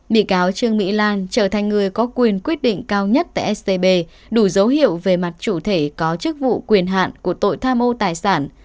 bị cáo trương mỹ lan trở thành người có quyền quyết định cao nhất tại scb đủ dấu hiệu về mặt chủ thể có chức vụ quyền hạn của tội tham ô tài sản